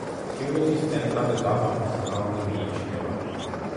მთიულეთის ცენტრად დაბა ფასანაური მიიჩნევა.